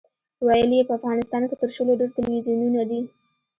ویل یې په افغانستان کې تر شلو ډېر تلویزیونونه دي.